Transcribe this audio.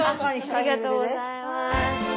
ありがとうございます。